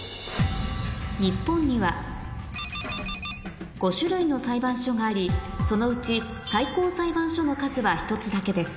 日本には５種類の裁判所がありそのうち最高裁判所の数は１つだけです